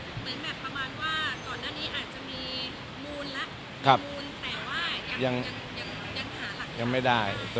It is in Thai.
เหมือนแบบประมาณว่าก่อนหน้านี้อาจจะมีมูลแต่ว่ายังหาหลักฐาน